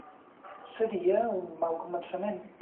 Seria un mal començament.